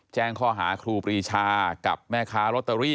แจ้งข้อหาครูปรีชากับแม่ค้าลอตเตอรี่